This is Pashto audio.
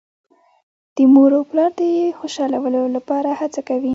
د مور او پلار د خوشحالولو لپاره هڅه کوي.